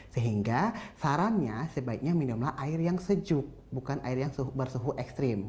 sehingga sarannya sebaiknya minumlah air yang sejuk bukan air yang bersuhu ekstrim